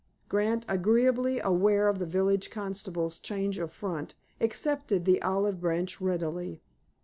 Grant, agreeably aware of the village constable's change of front, accepted the olive branch readily.